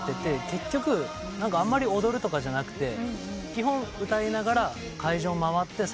結局あんまり踊るとかじゃなくて基本歌いながら会場を回って最後みんなで大合唱する。